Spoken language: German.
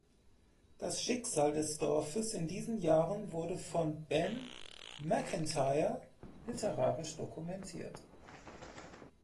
Das Schicksal des Dorfes in diesen Jahren wurden von Ben Macintyre literarisch dokumentiert.